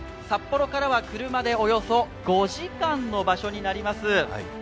札幌からは車でおよそ５時間の場所になります。